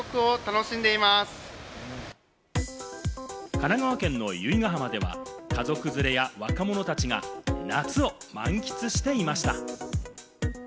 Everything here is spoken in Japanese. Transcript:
神奈川県の由比ガ浜では、家族連れや若者たちが夏を満喫していました。